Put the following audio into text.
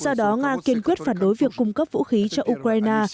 do đó nga kiên quyết phản đối việc cung cấp vũ khí cho ukraine